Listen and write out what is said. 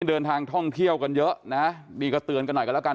เดินทางท่องเที่ยวกันเยอะนะดีก็เตือนกันหน่อยกันแล้วกัน